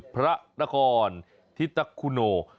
พระตะคอนทิตะขุโน่